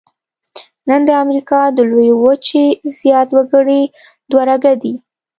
نن د امریکا د لویې وچې زیات وګړي دوه رګه دي.